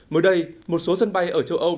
mới đây một số sân bay ở châu âu